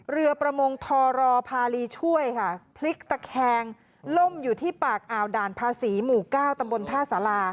เรือประมงทรพารีช่วยค่ะพลิกตะแคงล่มอยู่ที่ปากอ่าวด่านภาษีหมู่เก้าตำบลท่าสารา